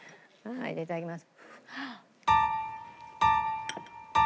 いただきます。